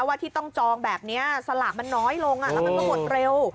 ว่าที่ต้องจองแบบนี้สลากมันน้อยลงแล้วมันก็หมดเร็ว